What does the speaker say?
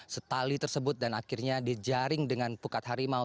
setali tersebut dan akhirnya dijaring dengan pukat harimau